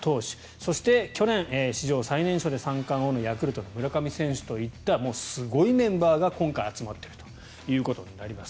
そして去年史上最年少で三冠王のヤクルト、村上選手といったすごいメンバーが今回集まっているということになります。